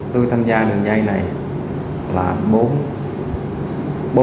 tôi tham gia lần dây này là bốn chiếc